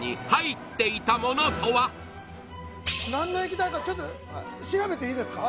何の液体かちょっと調べていいですか？